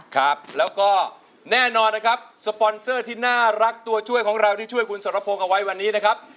ครับแล้วก็แน่นอนนะครับสปอนเซอร์ที่น่ารักตัวช่วยของเราที่ช่วยคุณสรพงศ์เอาไว้วันนี้นะครับ